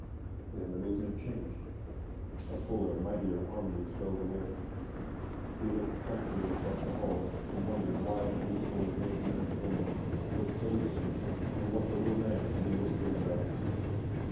Then the movement changed, and fuller, mightier harmony swelled away. He looked thoughtfully across the hall, and wondered why the beautiful gray haired woman looked so listless, and what the little man could be whispering about.